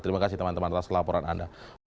terima kasih teman teman atas laporan anda